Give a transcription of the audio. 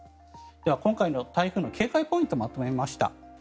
では今回の台風の警戒ポイントをまとめました。